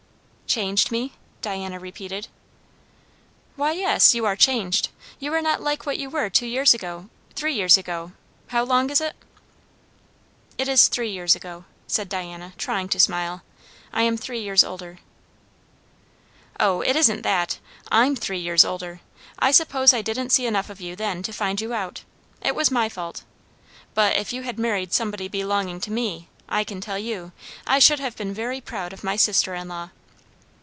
"Changed me?" Diana repeated. "Why, yes; you are changed. You are not like what you were two years ago three years ago how long is it." "It is three years ago," said Diana, trying to smile. "I am three years older." "O, it isn't that. I'm three years older. I suppose I didn't see enough of you then to find you out. It was my fault. But if you had married somebody belonging to me, I can tell you, I should have been very proud of my sister in law."